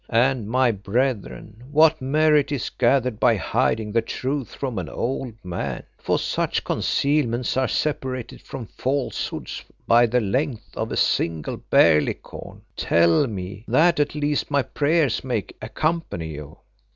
And, my brethren, what merit is gathered by hiding the truth from an old man, for such concealments are separated from falsehoods but by the length of a single barleycorn. Tell me, that at least my prayers may accompany you."